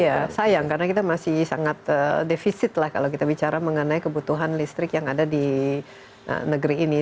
iya sayang karena kita masih sangat defisit lah kalau kita bicara mengenai kebutuhan listrik yang ada di negeri ini